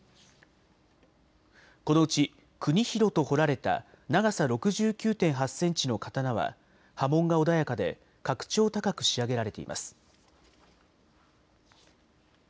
このうち國廣と彫られた長さ６９．８センチの刀は刃文が穏やかで、格調高く仕上げられています。